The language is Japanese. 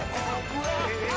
えっ！